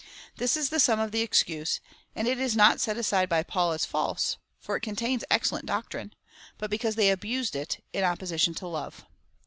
This is the sum of the excuse, and it is not set aside by Paul as false, (for it contains excellent doctrine,) but because they abused it, in opposition to love.